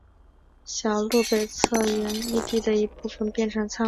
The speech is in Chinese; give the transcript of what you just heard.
小路北侧原义地的一部分变成了仓库。